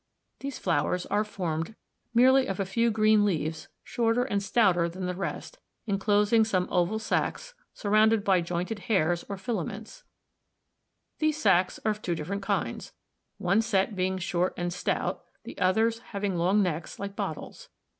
These flowers (a, p, Fig. 34) are formed merely of a few green leaves shorter and stouter than the rest, enclosing some oval sacs surrounded by jointed hairs or filaments (see A and P, Fig. 35). These sacs are of two different kinds, one set being short and stout os, the others having long necks like bottles bs.